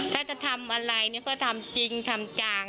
ถ้าจะทำอะไรก็ทำจริงทำจาง